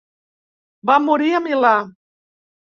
Va morir a Milà.